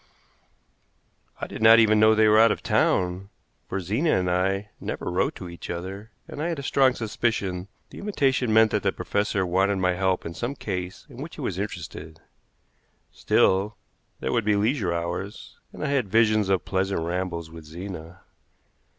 I did not even know they were out of town, for Zena and I never wrote to each other, and I had a strong suspicion the invitation meant that the professor wanted my help in some case in which he was interested. Still, there would be leisure hours, and I had visions of pleasant rambles with Zena.